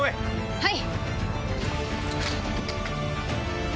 はい！